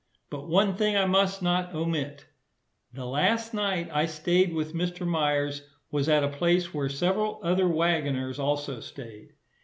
But one thing I must not omit. The last night I staid with Mr. Myers, was at a place where several other waggoners also staid.